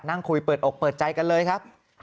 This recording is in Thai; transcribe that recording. นั่งคุยเปิดอกเปิดใจกันเลยครับ